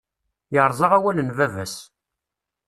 Yerẓa awal n baba-s.